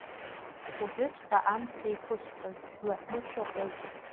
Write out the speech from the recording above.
Уажәыҵәҟьа амца еиқәысҵоит, шәлаҳәны шәыҟоуп…